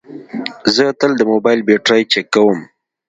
زه تل د موبایل بیټرۍ چیکوم.